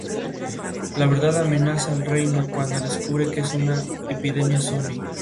La verdad amenaza al reino, cuando descubre que es una epidemia zombi.